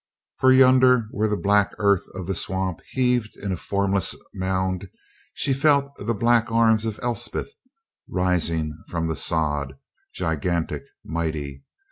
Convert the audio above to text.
For yonder where the black earth of the swamp heaved in a formless mound she felt the black arms of Elspeth rising from the sod gigantic, mighty.